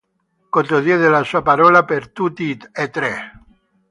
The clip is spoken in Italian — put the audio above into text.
Cotto diede la sua parola per tutti e tre.